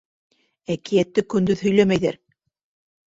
Әкиәтте көндөҙ һөйләмәйҙәр...